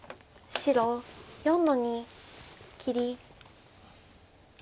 白４の二切り。